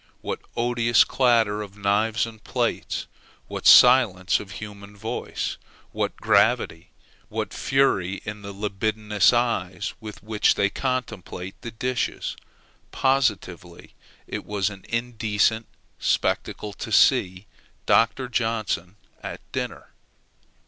what odious clatter of knives and plates! what silence of the human voice! what gravity! what fury in the libidinous eyes with which they contemplate the dishes! Positively it was an indecent spectacle to see Dr. Johnson at dinner.